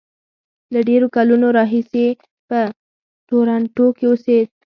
له ډېرو کلونو راهیسې په ټورنټو کې اوسېد.